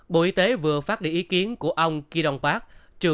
bộ y tế vừa phát đi ý kiến của ông kỳ đông phát